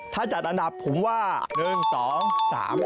ถ้าจัดอันดับผมว่า๑๒๓